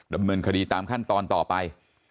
ดำเนินคดีตามขั้นตอนต่อไป